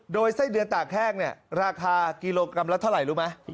โดยไส้เดือนตากแห้งเนี่ยราคากิโลกรัมละเท่าไหร่รู้ไหม